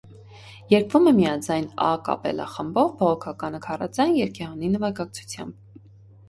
Երգվում է միաձայն՝ ա կապելլա խմբով, բողոքականը՝ քառաձայն, երգեհոնի նվագակցությամբ։